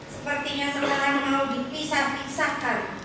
sepertinya saudara mau dipisah pisahkan